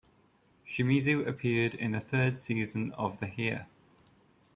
Shimizu appeared in the third season of the here!